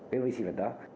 cái vi sinh vật đó